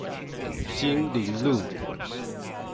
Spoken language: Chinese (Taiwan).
金陵路